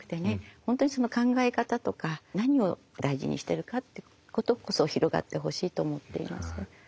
本当にその考え方とか何を大事にしてるかってことこそ広がってほしいと思っています。